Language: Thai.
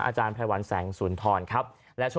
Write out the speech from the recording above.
อาจารย์ไพรวัลแสงศูนย์ทอนครับและ